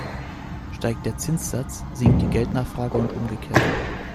Steigt der Zinssatz, sinkt die Geldnachfrage und umgekehrt.